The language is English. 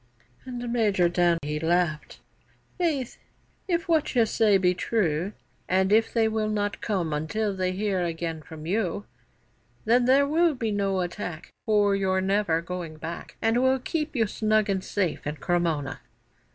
And Major Dan he laughed: 'Faith, if what you say be true, And if they will not come until they hear again from you, Then there will be no attack, For you're never going back, And we'll keep you snug and safely in Cremona.